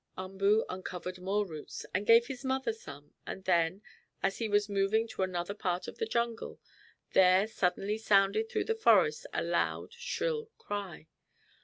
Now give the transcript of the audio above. Umboo uncovered more roots, and gave his mother some, and then, as he was moving to another part of the jungle, there suddenly sounded through the forest a loud, shrill cry.